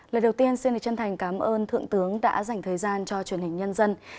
lời đầu tiên xin chân thành cảm ơn thượng tướng đã dành thời gian cho truyền hình nhân dân